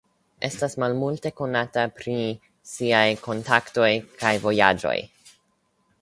Estas malmulte konata pri siaj kontaktoj kaj vojaĝoj.